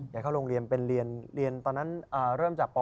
อยากเข้าโรงเรียนเป็นเรียนตอนนั้นเริ่มจากป